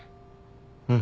うん。